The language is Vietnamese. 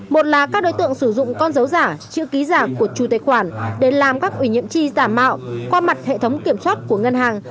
một là các đối tượng sử dụng con dấu giả chữ ký giả của chủ tài khoản để làm các ủy nhiệm chi giả mạo qua mặt hệ thống kiểm soát của ngân hàng